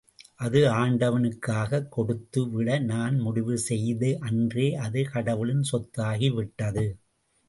அது ஆண்டவனுக்காக் கொடுத்து விட நான் முடிவு செய்த அன்றே, அது கடவுளின் சொத்தாகி விட்டது.